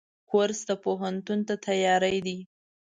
کورس د پوهنتون ته تیاری دی.